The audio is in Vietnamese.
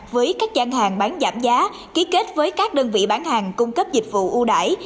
với các gian hàng bán giảm giá ký kết với các đơn vị bán hàng cung cấp dịch vụ ưu đải